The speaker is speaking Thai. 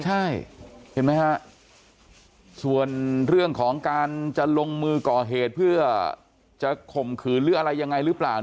ใช่เห็นไหมฮะส่วนเรื่องของการจะลงมือก่อเหตุเพื่อจะข่มขืนหรืออะไรยังไงหรือเปล่า